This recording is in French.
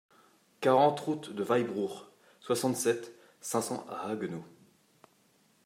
quarante route de Weitbruch, soixante-sept, cinq cents à Haguenau